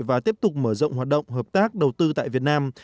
và tiếp tục mở rộng hoạt động hợp tác đầu tư tại việt nam